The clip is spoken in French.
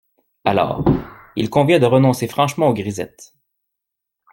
Alors, il convient de renoncer franchement aux grisettes.